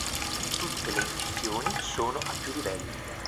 Tutte le incisioni sono a più livelli.